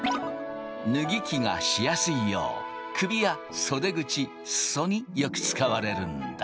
脱ぎ着がしやすいよう首や袖口裾によく使われるんだ。